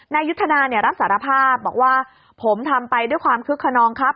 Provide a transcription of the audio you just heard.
นายยุทธนารับสารภาพบอกว่าผมทำไปด้วยความคึกขนองครับ